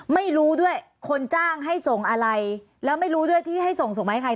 ไม่รู้ด้วยคนจ้างให้ส่งอะไรแล้วไม่รู้ด้วยที่ให้ส่งส่งมาให้ใคร